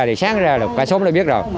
thì sáng ra là bà sống đã biết rồi